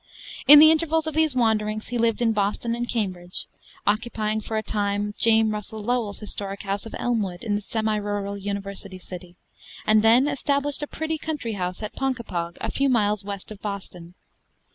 In the intervals of these wanderings he lived in Boston and Cambridge; occupying for a time James Russell Lowell's historic house of Elmwood, in the semi rural university city; and then established a pretty country house at Ponkapog, a few miles west of Boston.